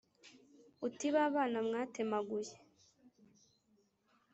Uti ba bana mwatemaguye